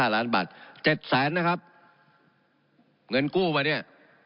ล้านบาท๗แสนนะครับเงินกู้มาเนี่ย